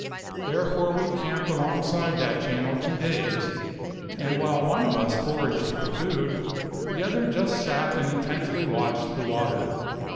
Therefore we camped alongside that channel two days, and while one of us foraged for food, the other just sat and intently watched the water.